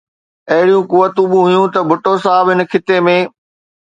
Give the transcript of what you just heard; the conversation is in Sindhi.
اهڙيون قوتون به هيون ته ڀٽو صاحب هن خطي ۾